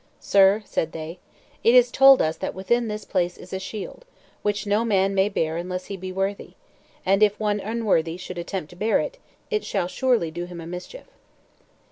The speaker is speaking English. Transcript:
"Sir," said they, "it is told us that within this place is a shield, which no man may bear unless he be worthy; and if one unworthy should attempt to bear it, it shall surely do him a mischief."